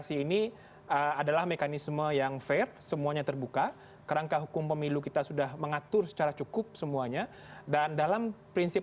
ini terbuka kerangka hukum pemilu kita sudah mengatur secara cukup semuanya dan dalam prinsip